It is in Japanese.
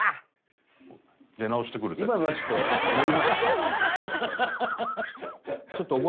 今のはちょっと盛りました。